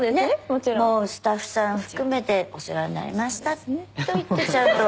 もうスタッフさん含めてお世話になりましたと言ってちゃんと。